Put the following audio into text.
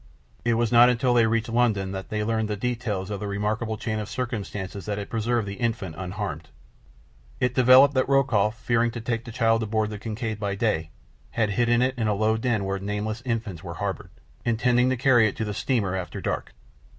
It was not until they reached London that they learned the details of the remarkable chain of circumstances that had preserved the infant unharmed. It developed that Rokoff, fearing to take the child aboard the Kincaid by day, had hidden it in a low den where nameless infants were harboured, intending to carry it to the steamer after dark.